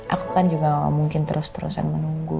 aku kan juga gak mungkin terus terusan menunggu